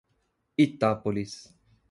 Itápolis